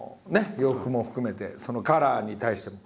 洋服も含めてそのカラーに対しても。